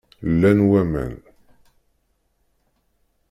Llan waman.